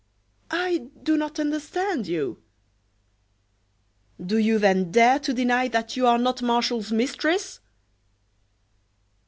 I do not understand you." "Do you then dare to deny that you are not Martial's mistress!"